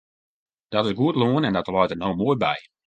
Dat is goed lân en dat leit der no moai by.